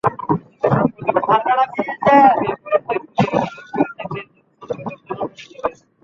কিন্তু সাম্প্রতিক বছরগুলোতে সবকিছু ছাপিয়ে করাচির দুনিয়াজোড়া পরিচিতি যেন সন্ত্রাসের জনপদ হিসেবেই।